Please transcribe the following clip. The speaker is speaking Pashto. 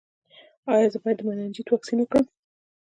ایا زه باید د مننجیت واکسین وکړم؟